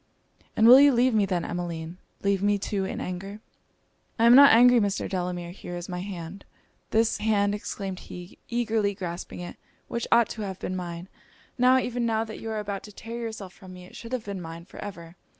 'And will you leave me, then, Emmeline? leave me too in anger?' 'I am not angry, Mr. Delamere here is my hand.' 'This hand,' exclaimed he, eagerly grasping it, 'which ought to have been mine! Now, even now, that you are about to tear yourself from me, it should have been mine for ever!